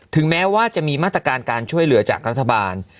แม้ว่าจะมีมาตรการการช่วยเหลือจากรัฐบาล